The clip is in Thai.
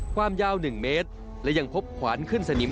ความยาว๑เมตรและยังพบขวานขึ้นสนิม